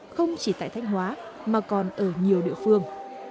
không chỉ tại thanh hóa mà còn ở nhiều địa phương